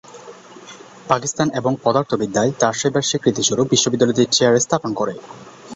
পাকিস্তান এবং পদার্থবিদ্যায় তার সেবার স্বীকৃতিস্বরূপ বিশ্ববিদ্যালয়টি চেয়ার স্থাপন করে।